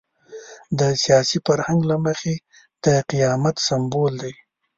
د سیاسي فرهنګ له مخې د قیامت سمبول دی.